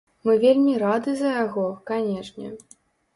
Мы вельмі рады за яго, канечне.